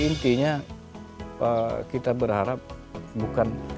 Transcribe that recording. intinya kita berharap bukan kita berharap kita bisa menemukan alam yang lebih luas